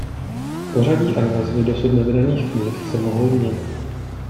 Pořadí a názvy dosud nevydaných knih se mohou měnit.